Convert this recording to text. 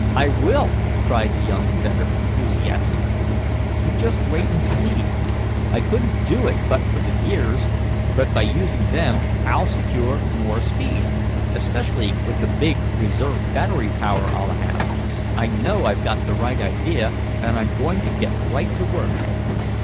"I will!" cried the young inventor, enthusiastically. "You just wait and see. I couldn't do it but for the gears, but by using them I'll secure more speed, especially with the big reserve battery power I'll have. I know I've got the right idea, and I'm going to get right to work."